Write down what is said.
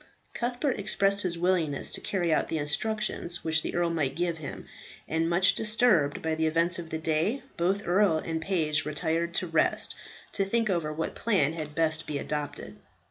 Cuthbert expressed his willingness to carry out the instructions which the earl might give him; and, much disturbed by the events of the day, both earl and page retired to rest, to think over what plan had best be adopted.